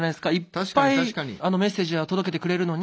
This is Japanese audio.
いっぱいメッセージは届けてくれるのに。